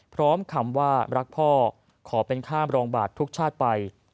คำว่ารักพ่อขอเป็นข้ามรองบาททุกชาติไป